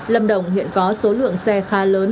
lâm đồng hiện có số lượng xe khá lớn